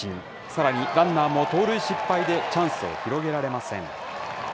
さらに、ランナーも盗塁失敗で、チャンスを広げられません。